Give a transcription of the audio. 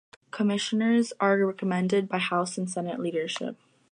Commissioners are recommended by House and Senate leadership.